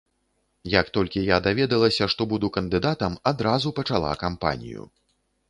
Як толькі я даведалася, што буду кандыдатам, адразу пачала кампанію.